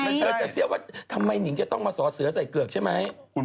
เธอจะเสียว่าทำไมหนิงจะต้องมาสอเสือใส่เกือกใช่ไหม